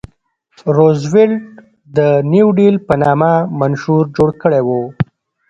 روزولټ د نیو ډیل په نامه منشور جوړ کړی و.